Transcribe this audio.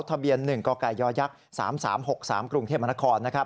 ทะเบียน๑กกย๓๓๖๓กรุงเทพมนคร